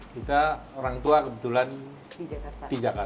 kita orang tua kebetulan di jakarta